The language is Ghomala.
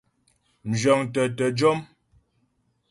Mzhə̌ŋtə tə jɔ́m.